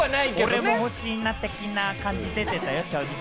俺も欲しいな的な感じでてたよ、今ね。